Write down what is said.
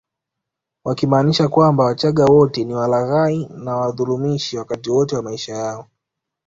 Wakimaanisha kwamba wachaga wote ni walaghai na wadhulumishi wakati wote wa maisha yao